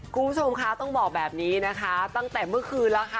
คุณผู้ชมคะต้องบอกแบบนี้นะคะตั้งแต่เมื่อคืนแล้วค่ะ